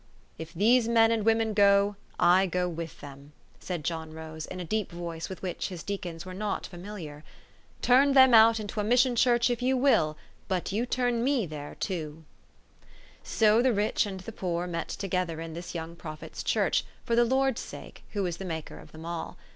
" If these men and women go, I go with them," said John Rose in a deep voice with which his dea cons were not familiar. " Turn them out into a mission church, if you will ; but you turn me there too." 290 THE STORY OF AVIS. So the rich and the poor met together in this young prophet's church, for the Lord's sake, who was the Maker of them all.